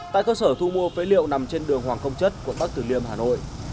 tại cơ sở thu mua phế liệu nằm trên đường hoàng không chất quận bắc tử liêm hà nội